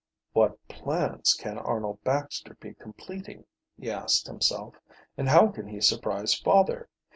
"What plans can Arnold Baxter be completing?" he asked himself. "And how can he surprise father?